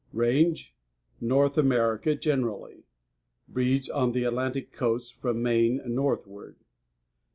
_ RANGE North America generally. Breeds on the Atlantic coast from Maine northward.